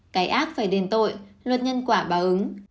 cái ác phải đền tội luật nhân quả bà ứng